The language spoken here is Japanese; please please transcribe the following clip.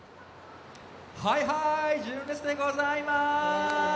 はいはい純烈でございます。